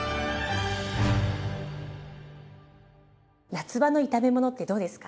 夏場の炒め物ってどうですか？